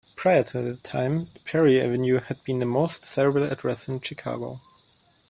Prior to that time, Prairie Avenue had been the most desirable address in Chicago.